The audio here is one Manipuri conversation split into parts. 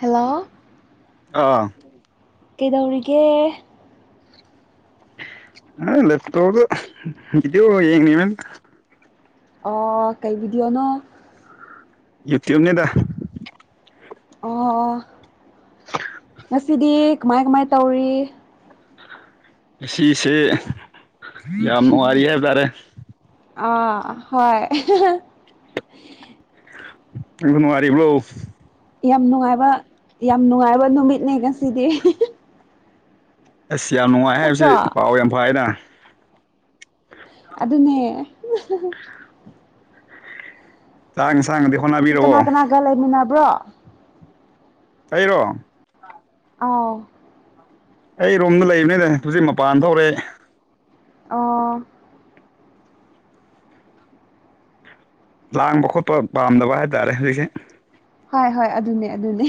ꯍꯜꯂꯣ ꯑꯥ ꯀꯩꯗꯧꯔꯤꯒꯦ ꯑ ꯂꯦꯞꯇꫭꯞ ꯇ ꯕꯤꯗꯤꯌꫭꯒ ꯌꯦꯅꯤꯃꯦ ꯑ ꯀꯩ ꯕꯤꯗꯤꯑꯣꯅꯣ ꯌꯨꯇꯨꯞ ꯅꯤꯗꯥ ꯑꯣ ꯑꯣ ꯉꯁꯤꯗꯤ ꯀꯃꯥꯏ ꯀꯃꯥꯏ ꯇꯧꯔꯤ ꯉꯁꯤꯁꯦ ꯌꯥꯝ ꯅꯨꯡꯉꯥꯏꯔꯤ ꯍꯥꯏꯕ ꯇꯥꯔꯦ ꯑꯥ ꯍꯣꯏ ꯅꯪꯁꯨ ꯅꯨꯡꯉꯥꯏꯔꯤꯕ꯭ꯔꫭ ꯌꯥꯝ ꯅꯨꯡꯉꯥꯏꯕ ꯌꯥꯝ ꯅꯨꯡꯉꯥꯏꯕ ꯅꯨꯃꯤꯠꯅꯦ ꯉꯁꯤꯗꯤ ꯑꯁ ꯌꯥꯝ ꯅꯨꯡꯉꯥꯏ ꯍꯥꯏꯕꯁꯤ ꯅꯠꯇ꯭ꯔꯣ ꯄꯥꯎ ꯌꯥꯝ ꯐꯥꯏꯅ ꯑꯗꯨꯅꯦ [inaudible] ꯆꯥꯛ ꯏꯟꯁꯥꯡꯒꯗꯤ ꯀꯅꯥ ꯀꯅꯥꯒ ꯂꯩꯃꯤꯟꯅꯕ꯭ꯔꯣ ꯑꯩꯔꯣ ꯑꯥꯎ ꯑꯩ ꯔꯨꯝꯗ ꯂꯩꯕꯅꯤꯅꯦ ꯍꯧꯖꯤꯛ ꯃꯄꯥꯟ ꯊꯣꯛ ꯍꯧꯔꯛꯑꯦ ꯑꯣ ꯂꯥꯡꯕ ꯈꯣꯠꯄ ꯄꯥꯝꯗꯕ ꯍꯥꯏꯇꯥꯔꯦ ꯍꯧꯖꯤꯛꯁꯦ ꯍꯣꯏ ꯍꯣꯏ ꯑꯗꯨꯅꯦ ꯑꯗꯨꯅꯦ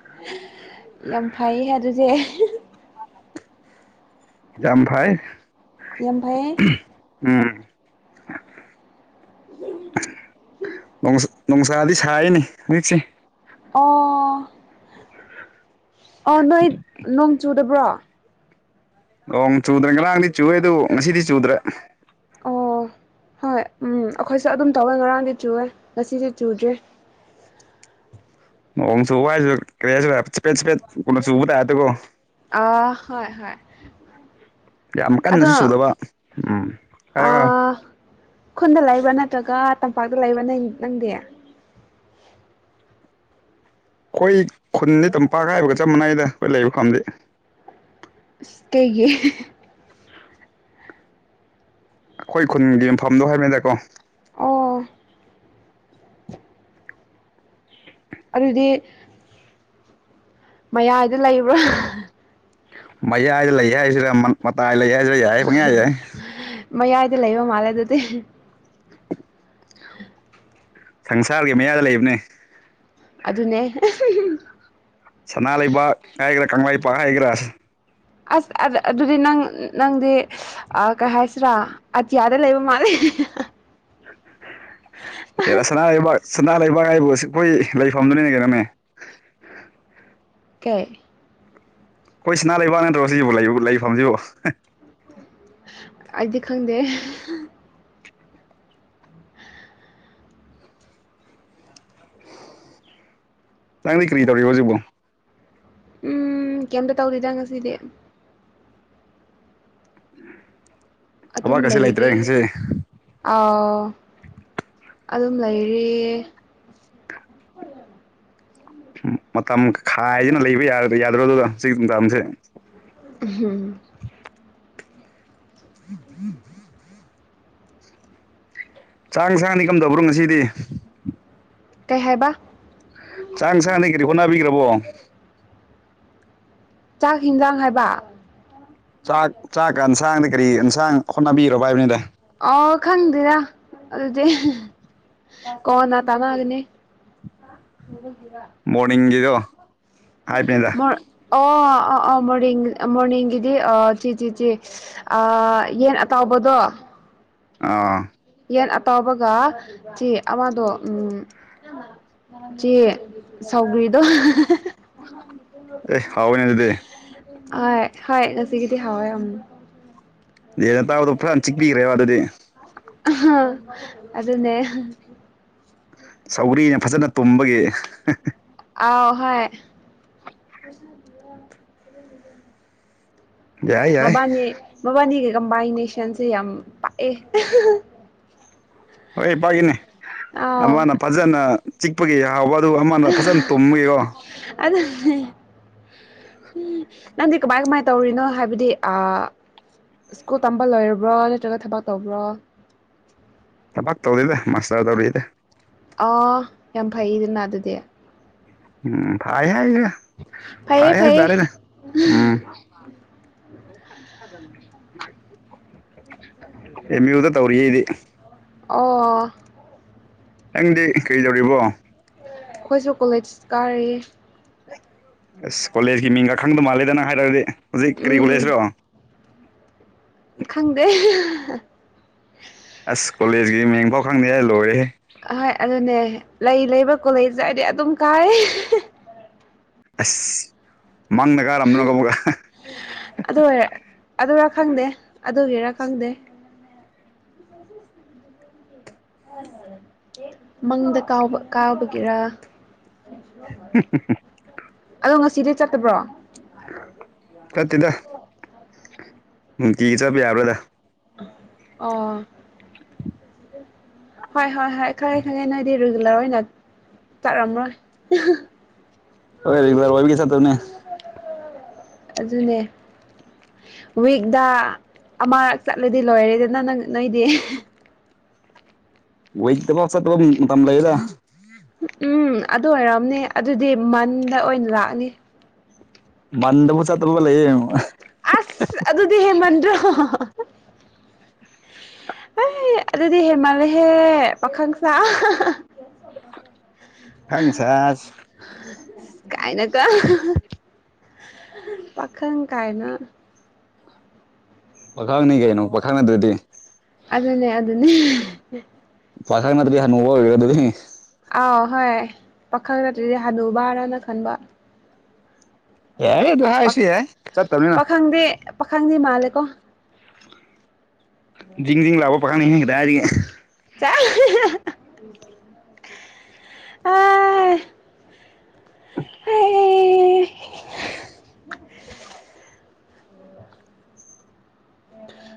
[inaudible] ꯌꯥꯝ ꯐꯩꯌꯦ ꯑꯗꯨꯗꯤ ꯌꯥꯝ ꯐꯩ ꯌꯥꯝ ꯐꯩꯌꯦ ꯎꯝ꯫ ꯅꯨꯡꯁꯥ ꯅꯨꯡꯁꯥꯗꯤ ꯁꯥꯏꯌꯦꯅꯦ ꯍꯧꯖꯤꯛꯁꯦ ꯑꯣ ꯑꫭ ꯅꯣꯏ ꯅꯣꯡ ꯆꯨꯗꯕ꯭ꯔꯣ ꯅꯣꯡ ꯆꯨꯗ꯭ꯔꯦ ꯉꯔꯥꯡꯗꯤ ꯆꯨꯋꯦ ꯑꯗꯨ ꯉꯁꯤꯗꯤ ꯆꯨꯗ꯭ꯔꯦ꯫ ꯑꯣ ꯍꯣꯏ ꯎꯝ ꯑꯩꯈꯣꯏꯁꯨ ꯑꯗꯨꯝ ꯇꯧꯋꯦ ꯉꯔꯥꯡꯗꯤ ꯆꯨꯋꯦ ꯉꯁꯤꯗꯤ ꯆꯨꯗ꯭ꯔꯦ꯫ ꯅꫭꯡ ꯆꯨꯕ ꯍꯥꯏꯁꯨ ꯀꯔꯤ ꯍꯥꯏꯁꯤꯔ ꯆꯐꯦꯠ ꯆꯐꯦꯠ ꯀꯨꯝꯕ ꯆꯨꯕ ꯇꯥꯞꯇꯀꯣ ꯑꯥ ꯍꯣꯏ ꯍꯣꯏ ꯌꯥꯝ ꯑꯗꯣ ꯀꯟꯅꯁꯨ ꯆꯨꯗꯕ ꯎꯝ ꯍꯥꯏꯌꯣ ꯍꯥꯏꯌꯣ ꯑꯥ ꯈꯨꯟꯗ ꯂꯩꯕ꯭ꯔ ꯅꯠꯇ꯭ꯔꯒ ꯇꯝꯄꯥꯛꯇ ꯂꯩꯕ ꯅꯪ ꯅꯪꯗꯤ ꯑꯩꯈꯣꯏ ꯈꯨꯟꯗꯤ ꯇꯝꯄꯥꯛ ꯍꯥꯏꯕꯒ ꯆꯞ ꯃꯥꯟꯅꯩꯗ ꯑꯩꯈꯣꯏ ꯂꯩꯕ ꯈꯨꯟꯗꯤ ꯏꯁ ꯀꯩꯒꯤ ꯑꯩꯈꯣꯏ ꯈꯨꯟꯒꯤ ꯌꯨꯝꯐꯝꯗꯣ ꯍꯥꯏꯕꯅꯤꯗꯀꯣ ꯑꯣ ꯑꯗꯨꯗꯤ ꯃꯌꯥꯏꯗ ꯂꯩꯕ꯭ꯔꯥ ꯃꯌꯥꯏꯗ ꯂꯩ ꯍꯥꯏꯁꯤꯔ ꯃꯇꯥꯏ ꯂꯩ ꯍꯥꯏꯁꯤꯔ ꯌꯥꯏ ꯄꯨꯡꯌꯥ ꯌꯥꯏ ꯃꯌꯥꯏꯗ ꯂꯩꯕ ꯃꯥꯜꯂꯦ ꯑꯗꯨꯗꯤ ꯁꯪꯁꯥꯔꯒꯤ ꯃꯌꯥꯗ ꯂꯩꯕꯅꯦ ꯑꯗꯨꯅꯦ ꯁꯅꯥꯂꯩꯕꯥꯛ ꯍꯥꯏꯒꯔꯥ ꯀꯪꯂꯩꯄꯥꯛ ꯍꯥꯏꯒꯦꯔꯥ ꯑꯁ ꯑꯥ ꯑꯗꯨꯗꯤ ꯅꯪ ꯅꯪꯗꯤ ꯑꯥ ꯀꯩ ꯍꯥꯏꯁꯤꯔꯥ ꯑꯇꯤꯌꯥꯗ ꯂꯩꯕ ꯃꯥꯂꯦ ꯁꯅꯥꯂꯩꯕꯥꯛ ꯁꯅꯥꯂꯩꯕꯥꯛ ꯍꯥꯏꯕꯨ ꯑꯩꯈꯣꯏ ꯂꯩꯐꯝꯗꯨꯅꯤ ꯀꯩꯅꯣꯅꯦ ꯀꯩ ꯑꯩꯈꯣꯏ ꯁꯅꯥꯂꯩꯕꯥꯛ ꯅꯠꯇ꯭ꯔꯣ ꯁꯤꯕꯨ ꯂꯩ ꯂꯩꯐꯝꯁꯤꯕꯨ ꯑꯩꯗꯤ ꯈꯪꯗꯦ ꯅꯪꯗꯤ ꯀꯔꯤ ꯇꯧꯔꯤꯕꯣ ꯍꯧꯖꯤꯛꯄꯣ ꯎꯝ ꯀꯩꯇ ꯇꯧꯗꯦꯗ ꯉꯁꯤꯗꯤ ꯑꯗꯨꯝ ꯊꯕꯛꯀꯁꯦ ꯂꯩꯇ꯭ꯔꯦ ꯂꯩꯔꯤ ꯉꯁꯤ ꯑꯥꯎ ꯑꯗꯨꯝ ꯂꯩꯔꯤꯌꯦ [unintelligible] ꯃꯇꯝ ꯈꯥꯏꯗꯅ ꯂꯩꯕ ꯌꯥ ꯌꯥꯗ꯭ꯔꯣꯗꯨꯒ ꯍꯧꯖꯤꯛ ꯃꯇꯝꯁꯤ ꯎꯝ [inaudible] ꯆꯥꯡ ꯏꯁꯥꯡꯗꯤ ꯀꯝꯗꯧꯕ꯭ꯔꯣ ꯉꯁꯤꯗꯤ ꯀꯩ ꯍꯥꯏꯕ ꯆꯥꯡ ꯏꯁꯥꯡꯅꯩ ꯀꯔꯤ ꯍꯣꯠꯅꯕꯤꯒ꯭ꯔꯥꯕꯣ ꯆꯥꯛ ꯍꯪꯖꯥꯡ ꯍꯥꯏꯕ ꯆꯥꯛ ꯆꯥꯛ ꯑꯟꯁꯥꯡꯗ ꯀꯔꯤ ꯑꯦꯟꯁꯥꯡ ꯍꯣꯠꯅꯕꯤꯔꯕ ꯍꯥꯏꯕꯅꯤꯗ ꯑꯣ ꯈꯪꯗꯦꯗ ꯑꯗꯨꯗꯤ ꯀꯣꯟꯅ ꯇꯥꯟꯅꯒꯅꯤ ꯃꯣꯔꯅꯤꯡꯒꯤꯗ ꯃꯣꯔ ꯑꯣ ꯑꯥ ꯑꯥ ꯃꯣꯔꯅꯤꯡ ꯃꯣꯔꯅꯤꯡꯒꯤꯗꯤ ꯑꯥ [unintelligible] ꯑꯥ ꯌꯦꯟ ꯑꯇꯥꯎꯕꯗꯣ ꯑꯥ ꯌꯦꯟ ꯑꯇꯥꯎꯕꯒ [unintelligible] ꯑꯃꯗꯣ ꯎꯝ [unintelligible] ꯁꯧꯒ꯭ꯔꯤꯗꯣ ꯑꯦ ꯍꯥꯎꯋꯦꯅꯦ ꯑꯗꯨꯗꯤ ꯑꯥꯏ ꯍꯣꯏ ꯉꯥꯁꯤꯀꯤꯗꯤ ꯍꯥꯎꯋꯦ ꯌꯦꯟ ꯑꯇꯥꯎꯕꯗꯣ ꯐꯅ ꯆꯤꯛꯄꯤꯈ꯭ꯔꯦꯕ ꯑꯗꯨꯗꯤ ꯑꯗꯨꯅꯦ ꯁꯧꯒ꯭ꯔꯤꯅ ꯐꯖꯅ ꯇꯨꯝꯕꯒꯤ ꯑꯧ ꯍꯣꯏ ꯌꯥꯏ ꯌꯥꯏ ꯃꯕꯥꯅꯤ ꯃꯕꯥꯅꯤꯒꯤ ꯀꯝꯕꯥꯏꯅꯦꯁꯟꯁꯦ ꯌꯥꯝ ꯄꯥꯛꯑꯦ ꯍꯣꯏ ꯄꯥꯛꯏꯅꯦ ꯑꯥꯎ ꯑꯃꯅ ꯐꯖꯅ ꯆꯤꯛꯄꯒꯤ ꯍꯥꯎꯕ ꯑꯗꯨꯒ ꯑꯃꯅ ꯐꯖꯅ ꯇꯨꯝꯕꯒꯤꯀꯣ ꯑꯗꯨ ꯅꯪꯗꯤ ꯀꯃꯥꯏ ꯀꯃꯥꯏ ꯇꯧꯔꯤꯅꯣ ꯍꯥꯏꯕꯗꯤ ꯑꯥ ꯁ꯭ꯀꯨꯜ ꯇꯝꯕ ꯂꯣꯏꯔꯕ꯭ꯔꯣ ꯅꯠꯇ꯭ꯔꯒ ꯊꯕꯛ ꯇꯧꯕ꯭ꯔꯣ ꯊꯕꯛ ꯇꯧꯗꯦꯗ ꯃꯥꯁꯇꯔ ꯇꯧꯔꯤꯗ ꯑꯣ ꯌꯥꯝ ꯐꯩꯗꯅ ꯑꯗꯨꯗꯤ ꯎꯝ ꯐꯥꯏ ꯍꯥꯏꯌꯦ ꯐꯥꯏ ꯐꯩꯌꯦ ꯐꯩꯌꯦ ꯍꯥꯏꯇꯥꯔꯦꯅꯦ ꯎꯝ ꯑꯦꯝ ꯌꯨꯗ ꯇꯧꯔꯤ ꯑꯩꯗꯤ ꯑꯣ ꯅꯪꯗꯤ ꯀꯔꯤ ꯇꯧꯔꯤꯕꯣ ꯑꯩꯈꯣꯏꯁꯨ ꯀꯣꯂꯦꯖ ꯀꯥꯔꯤ ꯑꯁ ꯀꯣꯂꯦꯖꯀꯤ ꯃꯤꯡꯒ ꯈꯪꯗ ꯃꯥꯜꯂꯦꯗ ꯅꯪ ꯍꯥꯏꯔꯗꯤ ꯍꯧꯖꯤꯛ ꯀꯔꯤ ꯎꯝ ꯀꯣꯂꯦꯖꯔꯣ ꯈꯪꯗꯦ ꯑꯁ ꯀꯣꯂꯦꯖꯀꯤ ꯃꯤꯡꯕꯧ ꯈꯪꯗꯦ ꯂꯣꯏꯔꯦꯍꯦ ꯑ ꯍꯣꯏ ꯑꯗꯨꯅꯦ ꯂꯩ ꯂꯩꯕ ꯀꯣꯂꯦꯖ ꯍꯥꯏꯗꯤ ꯑꯗꯨꯝ ꯀꯥꯏ ꯑꯁ ꯃꯪꯗ ꯀꯥꯔꯝꯗꯅꯀꯣ ꯑꯃꯨꯛꯀ ꯑꯗꯨ ꯑꯣꯏ ꯑꯗꯨꯔꯥ ꯈꯪꯗꯦ ꯑꯗꯨꯒꯤꯔꯥ ꯈꯪꯗꯦ [unintelligible] ꯃꯪꯗ ꯀꯥꯎꯕ ꯀꯥꯕꯒꯤꯔꯥ ꯑꯗꯣ ꯉꯁꯤꯗꯤ ꯆꯠꯇꯕ꯭ꯔꯣ ꯆꯠꯇꯦꯗ ꯅꯨꯡꯇꯤꯒꯤ ꯆꯠꯄ ꯌꯥꯕ꯭ꯔꯗ ꯑꯥ [inaudible] ꯍꯣꯏ ꯍꯣꯏ ꯍꯣꯏ ꯈꯪꯉꯦ ꯈꯪꯉꯦ ꯅꯣꯏꯗꯤ ꯔꯤꯒꯨꯂꯔ ꯑꯣꯏꯅ ꯆꯠꯔꯝꯔꯣꯏ ꯍꯣꯏ ꯔꯤꯒꯨꯂꯔ ꯑꯣꯏꯕꯒꯤ ꯆꯠꯇꯕꯅꯦ ꯑꯗꯨꯅꯦ ꯋꯤꯛꯗ ꯑꯃꯔꯛ ꯆꯠꯂꯗꯤ ꯂꯣꯏꯔꯦꯗꯅ ꯅꯪ ꯅꯣꯏꯗꯤ ꯋꯤꯛꯇꯕꯧ ꯆꯠꯇꯕ ꯃꯇꯝ ꯂꯩꯌꯦꯗ ꯎꯝ ꯑꯗꯨ ꯑꯣꯏꯔꯝꯅꯤ ꯑꯗꯨꯗꯤ ꯃꯟꯗ ꯑꯣꯏꯅ ꯂꯥꯛꯑꯅꯤ ꯥꯃꯟꯗꯕꯧ ꯆꯠꯇꯕ ꯂꯩꯌꯦ ꯑꯁ ꯑꯗꯨꯗꯤ ꯍꯦꯟꯃꯟꯗ꯭ꯔꯣ ꯑꯩ ꯑꯗꯨꯗꯤ ꯍꯦꯟꯃꯟꯂꯤꯍꯦ ꯄꯥꯈꯪ ꯁꯥ ꯈꯪꯁꯥꯁ ꯀꯥꯏꯅ ꯀ ꯄꯥꯈꯪ ꯀꯥꯏꯅ ꯄꯥꯈꯪꯅꯤ ꯀꯩꯅꯣ ꯄꯥꯈꯪ ꯅꯠꯇ꯭ꯔꯗꯤ ꯑꯗꯨꯅꯦ ꯑꯗꯨꯅꯤ ꯄꯥꯈꯪ ꯅꯠꯇ꯭ꯔꯗꯤ ꯍꯅꯨꯕ ꯑꯣꯏꯒꯦꯔꯥ ꯑꯗꯨꯗꯤ ꯑꯥꯎ ꯍꯣꯏ ꯄꯥꯈꯪ ꯅꯠꯇ꯭꯭ꯔꯗꯤ ꯍꯅꯨꯕ ꯍꯥꯏꯔꯅ ꯈꯟꯕ ꯌꯥꯔꯦ ꯑꯗꯨ ꯍꯥꯏꯔꯁꯨ ꯌꯥꯏ ꯆꯠꯇꯝꯅꯤꯅ ꯄꯥꯈꯪꯗꯤ ꯄꯥꯈꯪꯗꯤ ꯃꯥꯜꯂꯦꯀꯣ ꯖꯤꯡ ꯖꯤꯡ ꯂꯥꯛꯑꯣ ꯄꯥꯈꯡꯅꯤ ꯍꯤꯡ ꯀꯗꯥꯏꯗꯒꯤ ꯆꯥ ꯑ [unintelligible]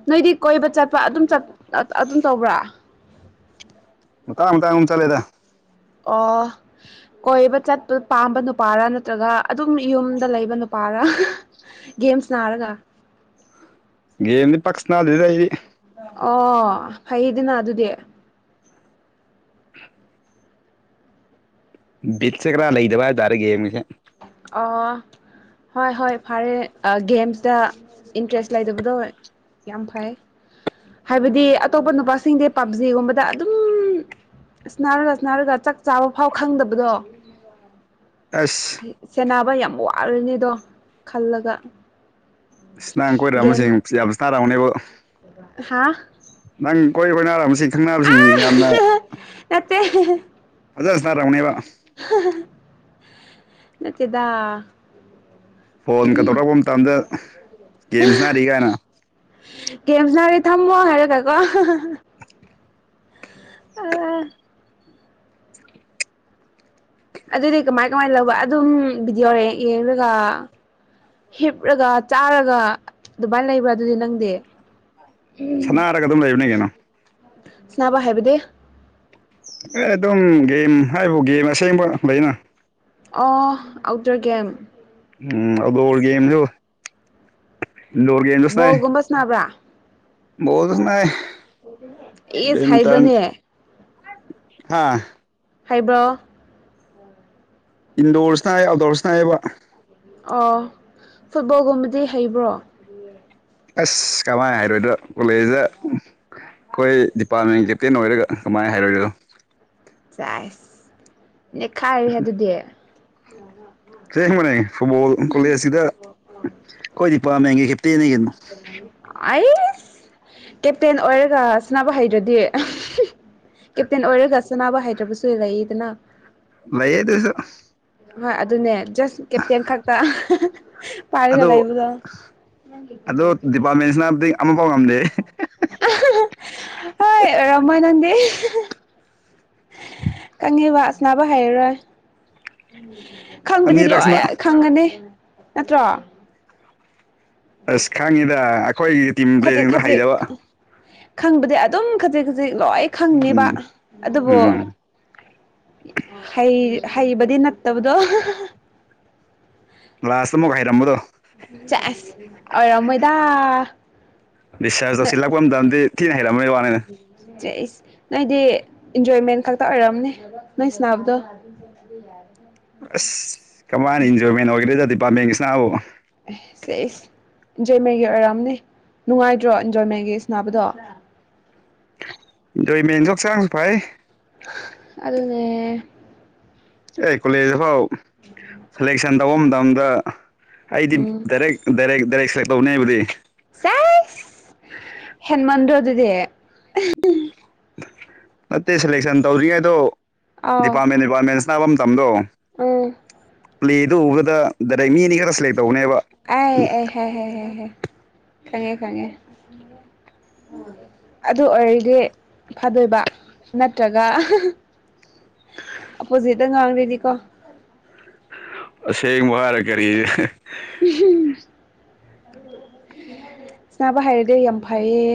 ꯅꯣꯏꯗꯤ ꯀꯣꯏꯕ ꯆꯠꯄ ꯑꯗꯨꯝ ꯆꯞ ꯑꯗꯨꯝ ꯇꯧꯕ꯭ꯔꯥ ꯃꯇꯥꯡ ꯃꯇꯥꯡꯒꯨꯝ ꯆꯠꯂꯦꯗ ꯑꯣ ꯀꯣꯏꯕ ꯆꯠꯄ ꯄꯥꯝꯕ ꯅꯨꯄꯥꯔ ꯅꯠꯇ꯭ꯔꯒ ꯑꯗꯨꯝ ꯌꯨꯝꯗ ꯂꯩꯕ ꯅꯨꯄꯥꯔꯥ ꯒꯦꯝ ꯁꯥꯅꯔꯒ ꯒꯦꯝꯗꯤ ꯄꯛ ꯁꯥꯟꯅꯗꯦꯗ ꯑꯩꯗꯤ ꯑꯣ ꯐꯩꯗꯅ ꯑꯗꯨꯗꯤ ꯕꯤꯠꯁꯦ ꯈꯔ ꯂꯩꯗꯕ ꯍꯥꯏꯕꯇꯥꯔꯦ ꯒꯦꯝꯒꯤꯁꯦ ꯑ ꯍꯣꯏ ꯍꯣꯏ ꯐꯔꯦ ꯑ ꯒꯦꯝꯁꯇ ꯏꯟꯇ꯭ꯔꯦꯁ ꯂꯩꯇꯕꯗꯣ ꯌꯥꯝ ꯐꯩ ꯍꯥꯏꯕꯗꯤ ꯑꯇꯣꯞꯄ ꯅꯨꯄꯥꯁꯤꯡꯗꯤ ꯄꯞꯖꯤꯒꯨꯝꯕꯗ ꯑꯗꯨꯝ ꯁꯥꯟꯅꯔꯒ ꯁꯥꯟꯅꯔꯒ ꯆꯥꯛ ꯆꯥꯕꯐꯥꯎ ꯈꯪꯗꯕꯗꯣ ꯑꯁ ꯁꯦꯟꯅꯕ ꯌꯥꯝ ꯋꯥꯔꯅꯤꯗꯣ ꯈꯜꯂꯒ ꯏꯁ ꯅꯪ ꯀꯣꯏꯔꯝꯕꯁꯤꯡ ꯌꯥꯝ ꯁ꯭ꯇꯥꯔꯝꯒꯅꯤꯕꯣ ꯍꯥꯥ ꯅꯪ ꯀꯣꯏ ꯀꯣꯏꯅꯔꯝꯁꯤꯡ ꯈꯪꯅꯕꯁꯤꯡ ꯌꯥꯝꯅ ꯅꯠꯇꯦ ꯐꯖꯅ ꯁꯥꯟꯅꯔꯝꯒꯅꯦꯕ ꯅꯠꯇꯦꯗ ꯐꯣꯟꯒ ꯇꯧꯔꯛꯄ ꯃꯇꯝꯗ ꯒꯦꯝ ꯁꯟꯅꯔꯤ ꯀꯥꯏꯅ ꯀꯦꯝ ꯁꯥꯟꯅꯔ ꯊꯝꯃꯣ ꯍꯥꯏꯔꯒꯀꯣ ꯑ ꯑꯗꯨꯗꯤ ꯀꯃꯥꯏ ꯀꯃꯥꯏ ꯂꯧꯕ ꯑꯗꯨꯝ ꯚꯤꯗꯤꯑꯣ ꯔꯦꯡ ꯌꯦꯡꯔꯒ ꯍꯤꯞꯔꯒ ꯆꯥꯔꯒ ꯑꯗꯨꯃꯥꯏ ꯂꯩꯕ꯭ꯔꯥ ꯑꯗꯨꯗꯤ ꯅꯪꯗꯤ ꯁꯅꯥꯔꯒ ꯑꯗꯨꯝ ꯂꯩꯕꯅꯦ ꯀꯩꯅꯣ ꯁꯥꯅꯕ ꯍꯥꯏꯕꯗꯤ ꯑꯦ ꯑꯗꯨꯝ ꯒꯦꯝ ꯍꯥꯏꯕꯨ ꯒꯦꯝ ꯑꯁꯦꯡꯕ ꯂꯩꯅ ꯑꯣ ꯑꯥꯎꯠꯗꯣꯔ ꯒꯦꯝ ꯎꯝ ꯑꯥꯎꯗꯣꯔ ꯒꯦꯝꯖꯨ ꯏꯟꯗꯣꯔ ꯒꯦꯝ ꯕꯣꯜꯒꯨꯝꯕ ꯁꯥꯅꯕ꯭ꯔꯥ ꯕꯣꯜꯖꯨ ꯁꯥꯅꯩ ꯏꯁ ꯕꯦꯃꯤꯟꯇꯟ ꯍꯩꯕꯅꯦ ꯍꯥ ꯍꯩꯕ꯭ꯔꯣ ꯏꯟꯗꯣꯔ ꯁ꯭ꯅꯥꯏ ꯑꯥꯎꯠꯗꯣꯔ ꯁꯥꯅꯩꯌꯦꯕ ꯑꯣ ꯐꯨꯠꯕꯣꯜꯒꯨꯝꯕꯗꯤ ꯍꯩꯕ꯭ꯔꯣ ꯑꯁ ꯀꯃꯥꯏ ꯍꯩꯔꯣꯏꯗ꯭ꯔ ꯀꯣꯂꯦꯖꯗ ꯑꯩꯈꯣꯏ ꯗꯤꯄꯥꯔꯠꯃꯦꯟ ꯗꯦꯞꯇꯦꯟ ꯑꯣꯏꯔꯒ ꯀꯃꯥꯏꯅ ꯍꯩꯔꯣꯏꯗꯣꯏꯅꯣ ꯆꯥꯏꯁ ꯅꯦꯈꯥꯏꯔꯦꯍꯦ ꯑꯗꯨꯗꯤ ꯑꯆꯦꯡꯕꯅꯦ ꯐꯨꯠꯕꯣꯜ ꯀꯣꯂꯦꯖꯁꯤꯗ ꯑꯈꯣꯏ ꯗꯤꯄꯥꯔꯠꯃꯦꯟꯒꯤ ꯀꯦꯞꯇꯦꯟꯒꯤ ꯒꯩꯅꯣ ꯑꯩꯁ ꯀꯦꯞꯇꯦꯟ ꯑꯣꯏꯔꯒ ꯁꯥꯅꯕ ꯍꯩꯗ꯭ꯔꯗꯤ ꯀꯦꯞꯇꯦꯟ ꯑꯣꯏꯔꯒ ꯁꯅꯥꯅꯕ ꯍꯩꯇ꯭ꯔꯕꯁꯨ ꯂꯩꯗꯅ ꯂꯩꯌꯦ ꯑꯗꯨꯁꯨ ꯍꯣꯏ ꯑꯗꯨꯅꯦ ꯖꯁ ꯀꯦꯞꯇꯦꯟ ꯈꯛꯇ ꯄꯥꯏꯔꯒ ꯑꯗꯣ ꯂꯩꯕꯗꯣ [unintelligible] ꯑꯃ ꯐꯥꯎ ꯉꯝꯗꯦ ꯍꯣꯏ ꯑꯣꯏꯔꯝꯃꯣꯏ ꯅꯪꯗꯤ [unintelligible] ꯋꯥ ꯁꯥꯟꯅꯥꯕ ꯍꯩꯔꯣꯏ ꯈꯪꯕꯗꯤ ꯑꯅꯤꯔꯛ ꯂꯣꯏ ꯁꯅꯥ ꯈꯪꯒꯅꯤ ꯅꯠꯇ꯭ꯔꯣ ꯑꯁ ꯈꯪꯉꯤꯗ ꯑꯩꯈꯣꯏꯒꯤ ꯇꯤꯝ ꯈꯖꯤꯛ ꯄ꯭ꯂꯦꯁꯤꯡꯗꯣ ꯈꯖꯤꯛ ꯍꯩꯗꯕ ꯈꯪꯕꯗꯤ ꯑꯗꯨꯝ ꯈꯖꯤꯛ ꯈꯖꯤꯛ ꯂꯣꯏ ꯈꯪꯉꯦꯕ ꯎꯝ ꯑꯗꯨꯕꯨ ꯎꯝ ꯍꯩ ꯍꯩꯕꯗꯤ ꯅꯠꯇꯕꯗꯣ ꯂꯥꯁꯇ ꯑꯃꯨꯛ ꯍꯥꯏꯔꯝꯕꯗꯣ ꯆꯦꯁ ꯑꯣꯏꯔꯝꯃꯣꯏꯗꯥ ꯗꯤꯁꯆꯥꯔꯖ ꯇꯧꯁꯤꯜꯂꯛꯄ ꯃꯇꯝꯗꯗꯤ ꯊꯤꯅ ꯍꯩꯔꯝꯕꯩ ꯋꯥꯅꯤꯅꯦ ꯆꯦꯁ ꯅꯣꯏꯗꯤ ꯏꯟꯖꯣꯏꯃꯦꯟ ꯈꯛꯇ ꯑꯣꯏꯔꯝꯅꯦ ꯅꯣꯏ ꯁꯥꯅꯕꯗꯣ [unintelligible] ꯑꯁ ꯀꯃꯥꯏꯅ ꯏꯟꯖꯣꯏꯃꯦꯟ ꯑꯣꯏꯗꯦꯗ ꯗꯤꯄꯥꯔꯠꯃꯦꯟꯒꯤ ꯁꯥꯟꯅꯕꯕꯨ ꯑꯦ ꯁꯦꯁ ꯏꯟꯖꯣꯏꯃꯦꯟꯒꯤ ꯑꯣꯏꯔꯝꯅꯦ ꯅꯨꯡꯉꯥꯏꯇ꯭ꯔꯣ ꯏꯟꯖꯣꯏꯃꯦꯟꯒꯤ ꯁꯥꯅꯥꯕꯗꯣ ꯏꯟꯖꯣꯏꯃꯦꯟꯁꯨ ꯍꯛꯆꯥꯡ ꯐꯩ ꯑꯗꯨꯅꯦ ꯑꯦ ꯀꯣꯂꯦꯖ ꯗꯐꯥꯎ ꯁꯦꯂꯦꯛꯁꯟ ꯇꯧꯕ ꯃꯇꯝꯗ ꯑꯩꯗꯤ ꯎꯝ ꯗꯥꯏꯔꯦꯛ ꯗꯥꯏꯔꯦꯛ ꯗꯥꯏꯔꯦꯛ ꯁꯦꯂꯦꯛ ꯇꯧꯅꯤ ꯑꯩꯕꯨꯗꯤ ꯆꯦꯁ ꯍꯦꯟꯃꯟꯗ꯭ꯔꯣ ꯑꯗꯨꯗꯤ ꯅꯠꯇꯦ ꯁꯦꯂꯦꯛꯁꯟ ꯇꯧꯗ꯭ꯔꯤꯉꯩꯗꯣ ꯑꯥꯎ ꯗꯤꯄꯥꯔꯠꯃꯦꯟ ꯄꯥꯃꯦꯟꯁ ꯁꯥꯟꯅꯕ ꯃꯇꯝꯗꯣ ꯎꯝ ꯄ꯭ꯂꯦꯗꯨ ꯎꯕꯗ ꯗꯥꯏꯔꯦꯛ ꯃꯤ ꯑꯅꯤ ꯈꯔ ꯁꯦꯂꯦꯛ ꯇꯧꯕꯅꯦꯕ ꯑ ꯍꯥꯏ ꯍꯥꯏ ꯈꯪꯉꯦ ꯈꯪꯉꯦ ꯑꯗꯨ ꯑꯣꯏꯔꯗꯤ ꯐꯥꯗꯣꯏꯕ ꯅꯠꯇ꯭ꯔꯒ ꯑꯄꯣꯖꯤꯠꯇ ꯉꯥꯡꯕꯗꯤ ꯀꯣ ꯑꯁꯦꯡꯕ ꯍꯥꯏꯔ ꯀꯔꯤ ꯆꯥꯕ ꯍꯩꯔꯗꯤ ꯌꯥꯝ ꯐꯩꯌꯦ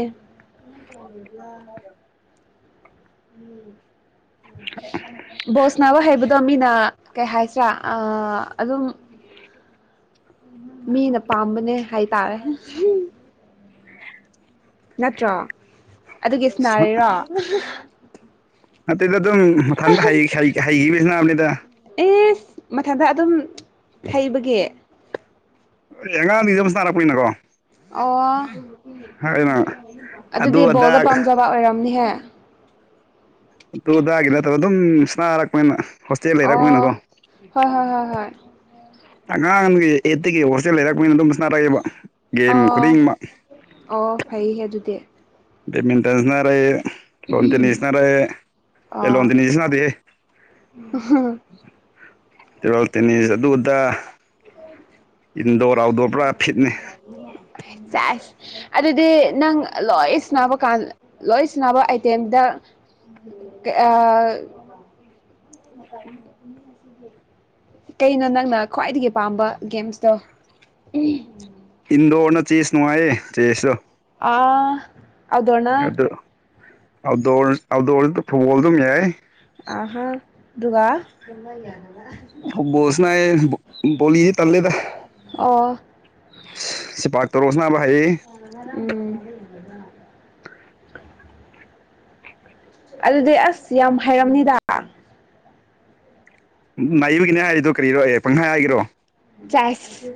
[inaudible] ꯕꯣꯜ ꯁꯥꯟꯅꯥꯕ ꯍꯩꯕꯗꯨ ꯑꯗꯣ ꯃꯤꯅ ꯀꯩ ꯍꯥꯏꯁꯤꯔꯥ ꯑ ꯑꯗꯨꯝ ꯃꯤꯅ ꯄꯥꯝꯕꯅꯦ ꯍꯥꯏꯇꯥꯔꯦ ꯅꯠꯇ꯭ꯔꯣ ꯑꯗꯨꯒꯤ ꯁꯥꯅꯥꯔꯤꯔꯣ ꯅꯠꯇꯦꯗ ꯑꯗꯨꯝ ꯃꯊꯟꯇ ꯍꯩ ꯍꯩꯈꯤꯕꯩ ꯁꯥꯟꯅꯕꯅꯤꯗ ꯏꯁ ꯃꯊꯟꯗ ꯑꯗꯨꯝ ꯍꯩꯕꯒꯤ ꯑꯦ ꯑꯉꯥꯡꯅꯤ ꯑꯗꯨꯝ ꯁꯥꯅꯥꯔꯛꯄꯅꯤꯅꯀꯣ ꯑꯣ ꯑꯗꯨ ꯑꯗꯨꯗꯤ ꯑꯗꯥ ꯕꯣꯜꯗꯣ ꯄꯥꯝꯖꯕ ꯑꯣꯏꯔꯝꯅꯤꯍꯦ ꯇꯨꯗꯥꯒꯤ ꯅꯠꯇꯕ ꯑꯗꯨꯝ ꯁꯥꯅꯥꯔꯛꯄꯅꯤꯅ ꯑꯣ ꯍꯣꯏ ꯍꯣꯏ ꯍꯣꯏ ꯍꯣꯏ ꯑꯉꯥꯡꯒꯤ ꯑꯦꯠꯇꯒꯤ ꯍꯣꯔꯁꯦꯜ ꯂꯩꯔꯛꯄꯅꯤꯅ ꯑꯗꯨꯝ ꯁꯥꯅꯔꯛꯑꯦꯕ ꯑꯣ ꯑꯣ ꯐꯩꯍꯦ ꯑꯗꯨꯗꯤ ꯕꯦꯠꯃꯤꯟꯇꯟ ꯁꯥꯅꯔꯛꯑꯦ ꯂꯣꯟꯗ ꯇꯅꯁꯤꯅꯔꯦ ꯑꯦ ꯑꯣ ꯂꯣꯟꯗꯤꯅꯤꯁꯤꯅꯗꯦ ꯇꯦꯕꯜ ꯇꯦꯅꯤꯁ ꯑꯗꯨ ꯑꯗ ꯏꯟꯗꯣꯔ ꯑꯥꯎꯠꯗꯣꯔ ꯄꯨꯔꯥ ꯐꯤꯠꯅꯦ ꯆꯥꯏ ꯑꯗꯨꯗꯤ ꯅꯪ ꯂꯣꯏ ꯁꯅꯕ ꯀꯥꯟ ꯂꯣꯏ ꯁꯅꯕ ꯑꯥꯏꯇꯦꯝꯗ ꯑꯥ ꯀꯩꯅꯣ ꯅꯪꯅ ꯈ꯭ꯋꯥꯏꯗꯒꯤ ꯄꯥꯝꯕ ꯒꯦꯝꯁꯇꯣ ꯎꯝ ꯏꯟꯗꯣꯔꯅ ꯆꯦꯁ ꯅꯨꯡꯉꯥꯏꯌꯦ ꯆꯦꯁꯇꯣ ꯑꯥ ꯑꯗꯣꯅ ꯑꯗꯨ ꯑꯥꯎꯠꯗꯣꯔ ꯑꯥꯎꯠꯗꯣꯔ ꯐꯨꯠꯕꯣꯜ ꯑꯗꯨꯝ ꯌꯥꯏ ꯑꯍꯥ ꯑꯗꯨꯒ ꯐꯨꯠꯕꯣꯜ ꯁꯅꯌꯦ ꯚꯣꯂꯤꯗꯤ ꯇꯜꯂꯦꯗ ꯑꯣ ꯁꯤ ꯄꯥꯛꯇꯧꯔꯣꯁꯅ ꯚꯥꯏ ꯎꯝ ꯑꯗꯨꯗꯤ ꯑꯁ ꯌꯥꯝ ꯍꯥꯏꯔꯩꯝꯅꯤꯗ ꯅꯥꯏꯕꯒꯤꯅꯦ ꯍꯥꯏꯔꯤꯗꯣ ꯀꯔꯤꯔꯣ ꯑꯦ ꯄꯪꯍꯥꯏ ꯍꯥꯏꯒꯦꯔꯣ ꯆꯏꯁ